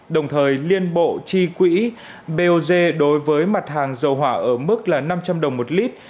đồng thời liên bộ chi quỹ bog đối với mặt hàng dầu hỏa ở mức là năm trăm linh đồng một lít